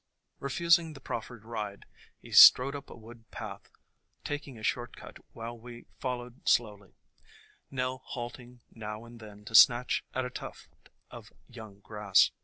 Refusing the proffered ride he strode up a wood path, taking a short cut while we followed slowly, Nell halting now and then to snatch at a tuft of young grass.